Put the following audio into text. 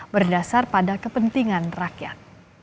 berdasar pada kepentingan rakyat